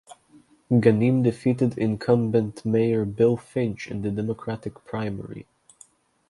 Ganim defeated incumbent mayor Bill Finch in the Democratic primary.